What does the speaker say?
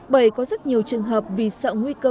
bởi có rất nhiều chương trình